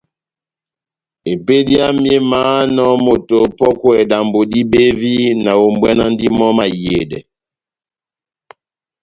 Epédi yami émahánɔ moto opɔ́kwɛ dambo dibevi, nahombwanandi mɔ́ mahiyedɛ.